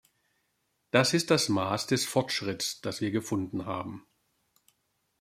Das ist das Maß des Fortschritts, das wir gefunden haben.